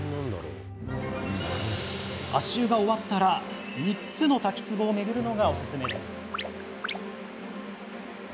足湯が終わったら３つの滝つぼを巡るのがおすすめです。